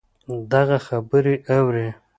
دغـه خبـرې اورې